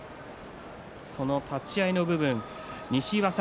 その立ち合いの部分西岩さん